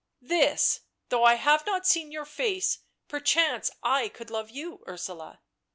" This — though I have not seen your face — per chance could I love you, Ursula